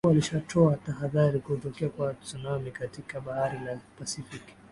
lilikuwa lishatoa tahadhari kutokea kwa tsunami katika bahari la pacific